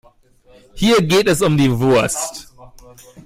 Hier geht es um die Wurst.